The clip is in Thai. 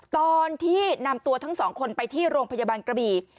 ตอนที่นำตัวทั้งสองคนไปที่โรงพยาบาลกระบี่